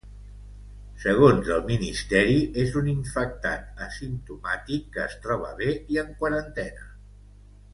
Segons el ministeri és un infectat asimptomàtic que es troba bé i en quarantena.